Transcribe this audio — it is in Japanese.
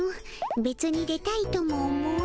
べつに出たいとも思わぬの。